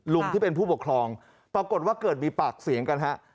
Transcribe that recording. ลุงที่เป็นผู้ปกครองปรากฏว่าเกิดมีปากเสียงกันฮะ